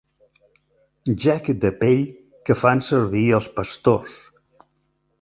Gec de pell que fan servir els pastors.